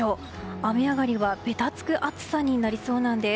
雨上がりはべたつく暑さになりそうなんです。